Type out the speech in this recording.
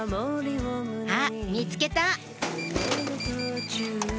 あっ見つけた！